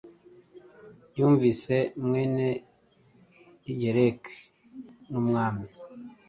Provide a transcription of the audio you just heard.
Yumvise Mwene Higelac numwami